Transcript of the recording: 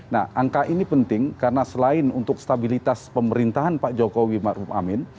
nah angka ini penting karena selain untuk stabilitas pemerintahan pak jokowi maruf amin